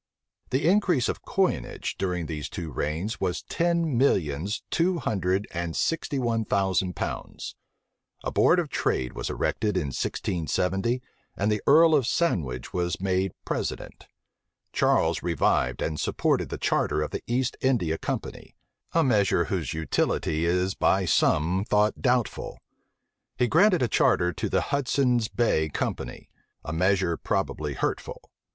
The increase of coinage during these two reigns was ten millions two hundred and sixty one thousand pounds. A board of trade was erected in 1670; and the earl of Sandwich was made president. Charles revived and supported the charter of the East India Company; a measure whose utility is by some thought doubtful: he granted a charter to the Hudson's Bay Company; a measure probably hurtful.